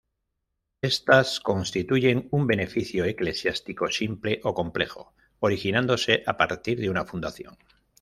Estas constituyen un beneficio eclesiástico, simple o complejo, originándose a partir de una fundación.